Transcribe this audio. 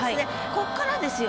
こっからですよ。